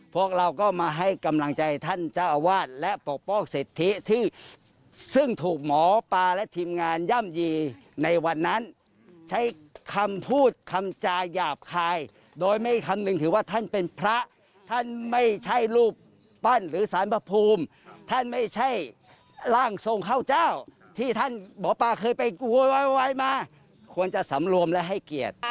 พวกเราก็มาให้กำลังใจท่านเจ้าอาวาสและปกป้องสิทธิซึ่งถูกหมอปลาและทีมงานย่ำยีในวันนั้นใช้คำพูดคำจาหยาบคายโดยไม่คำนึงถือว่าท่านเป็นพระท่านไม่ใช่รูปปั้นหรือสารพระภูมิท่านไม่ใช่ร่างทรงเข้าเจ้าที่ท่านหมอปลาเคยไปโวยวายมาควรจะสำรวมและให้เกียรติ